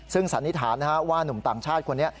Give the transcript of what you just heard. ซึ่งสันนิษฐานว่านุ่มต่างชาติคนนี้